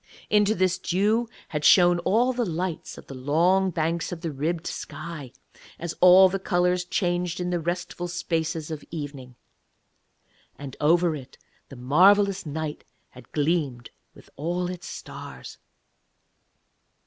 Into this dew had shone all the lights of the long banks of the ribbed sky, as all the colours changed in the restful spaces of evening. And over it the marvellous night had gleamed with all its stars.